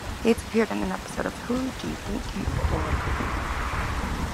Yates appeared in an episode of Who Do You Think You Are?